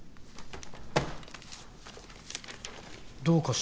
どうかした？